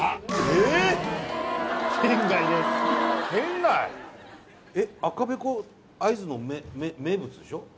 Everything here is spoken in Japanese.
えっ赤べこ会津の名物でしょ？